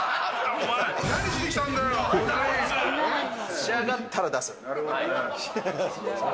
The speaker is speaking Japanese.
仕上がったら出す。